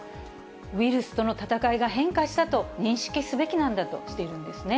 ウイルスとの闘いが変化したと認識すべきなんだとしているんですね。